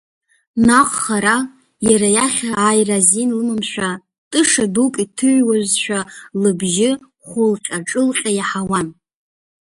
Наҟ хара, иара иахь ааира азин лымамшәа, тыша дук иҭыҩуазшәа, лыбжьы хәылҟьа-ҿылҟьа иаҳауан.